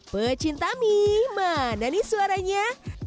pecinta mie mana nih suaranya